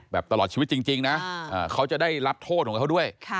ตลอดชีวิตจริงนะเขาจะได้รับโทษของเขาด้วย